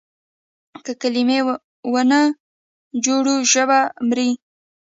که کلمې ونه جوړو ژبه مري.